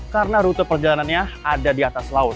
karena rute perjalanannya ada di atas laut